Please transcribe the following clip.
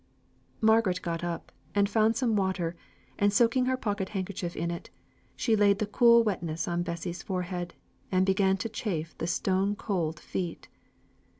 Margaret got up, and found some water; and soaking her pocket handkerchief in it, she laid the cool wetness on Bessy's forehead, and began to chafe the stone cold feet.